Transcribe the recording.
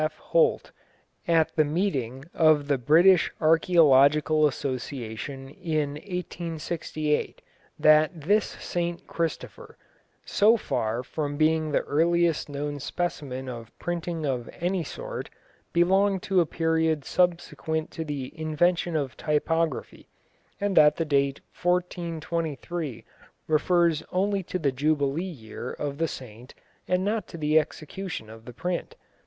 F. Holt, at the meeting of the British Archaeological Association in 1868, that this St Christopher, so far from being the earliest known specimen of printing of any sort, belonged to a period subsequent to the invention of typography, and that the date 1423 refers only to the jubilee year of the saint, and not to the execution of the print.